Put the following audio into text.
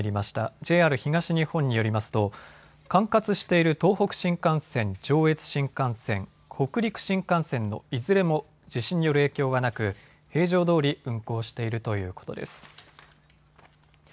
ＪＲ東日本によりますと管轄している東北新幹線、上越新幹線、北陸新幹線のいずれも地震による影響はなく平常どおり運行しているということです。